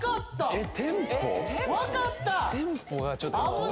えっ？